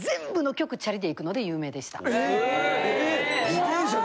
自転車で。